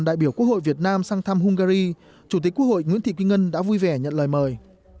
đại biểu quốc hội việt nam sang thăm hungary chủ tịch quốc hội nguyễn thị kim ngân đã vui vẻ nhận lời mời